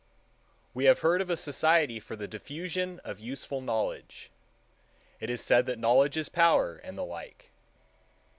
We have heard of a Society for the Diffusion of Useful Knowledge. It is said that knowledge is power, and the like.